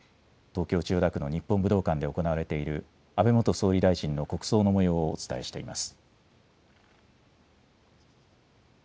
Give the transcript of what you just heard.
東京・千代田区の日本武道館で行われている安倍元総理大臣の国葬のもようをお伝えしています。